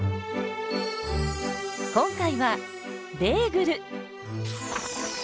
今回はベーグル！